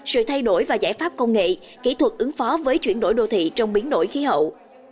sự thay đổi và giải pháp công nghệ kỹ thuật ứng phó với chuyển đổi đô thị trong biến đổi khí hậu